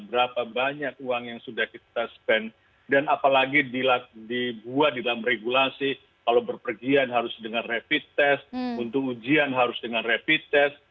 berapa banyak uang yang sudah kita spend dan apalagi dibuat di dalam regulasi kalau berpergian harus dengan rapid test untuk ujian harus dengan rapid test